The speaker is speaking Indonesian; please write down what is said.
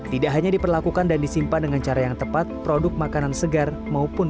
tidak hanya diperlakukan dan disimpan dengan cara yang tepat produk makanan segar maupun